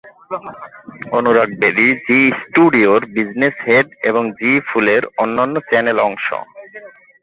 অনুরাগ Bedi Zee স্টুডিওর business head এবং Zee ফুলের অন্যান্য চ্যানেল অংশ।